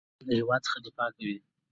دوی له هیواد څخه دفاع کوي.